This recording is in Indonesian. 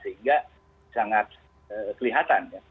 sehingga sangat kelihatan ya